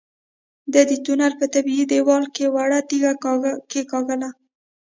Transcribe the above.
ده د تونل په طبيعي دېوال کې وړه تيږه کېکاږله.